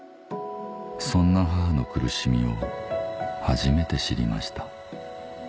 そんな母の苦しみを初めて知りました